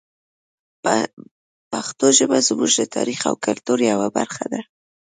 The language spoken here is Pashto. پښتو ژبه زموږ د تاریخ او کلتور یوه برخه ده.